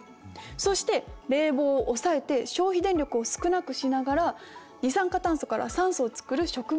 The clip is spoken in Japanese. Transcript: そして冷房を抑えて消費電力を少なくしながら二酸化炭素から酸素を作る植物を増やす。